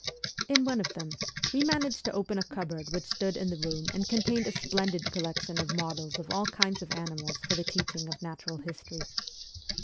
In one of them we managed to open a cupboard which stood in the room and contained a splendid collection of models of all kinds of animals for the teaching of natural history.